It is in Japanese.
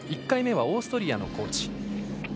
１回目はオーストリアのコーチ。